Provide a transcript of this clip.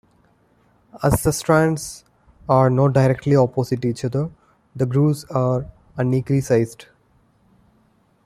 As the strands are not directly opposite each other, the grooves are unequally sized.